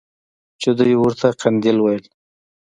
چې دوى ورته قنديل ويل.